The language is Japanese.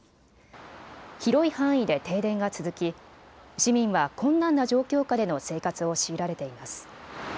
広い範囲で停電が続き市民は困難な状況下での生活を強いられています。